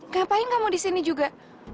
ngapain kamu di sini juga